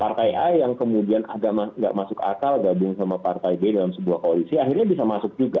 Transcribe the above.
partai a yang kemudian agak nggak masuk akal gabung sama partai b dalam sebuah koalisi akhirnya bisa masuk juga